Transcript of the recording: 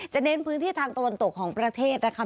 เน้นพื้นที่ทางตะวันตกของประเทศนะคะ